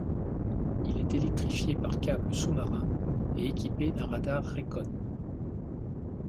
Il est électrifié par câble sous-marin et équipé d'un radar Racon.